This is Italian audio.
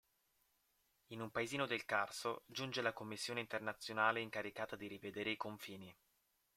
In un paesino del Carso giunge la commissione internazionale incaricata di rivedere i confini.